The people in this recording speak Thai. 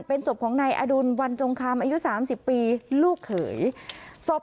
เป็นศพของนายอดุลวันจงคำอายุสามสิบปีลูกเขยศพ